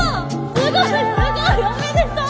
すごいすごい！おめでとう！